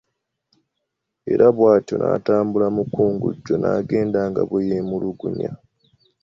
Era bwetyo n'etambula mukungujjo n'egenda nga bweyemulugunya.